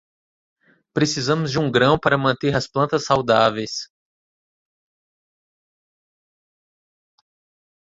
Precisamos de um grão para manter as plantas saudáveis.